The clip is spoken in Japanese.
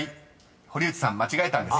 ［堀内さん間違えたんですよね］